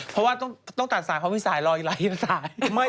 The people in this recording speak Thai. เพราะว่าต้องตัดสายเขามีสายรออีกหลายสาย